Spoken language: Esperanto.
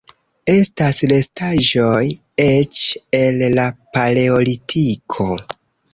Estas restaĵoj eĉ el la Paleolitiko.